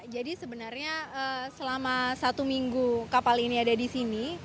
jadi sebenarnya selama satu minggu kapal ini ada di sini